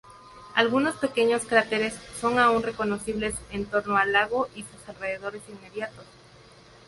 Algunos pequeños cráteres son aún reconocibles en torno al lago y sus alrededores inmediatos.